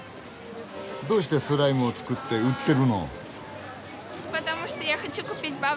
どうしてスライムを作って売ってるの？